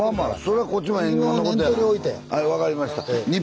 はい分かりました。